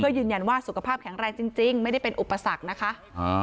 ยืนยันว่าสุขภาพแข็งแรงจริงจริงไม่ได้เป็นอุปสรรคนะคะอ่า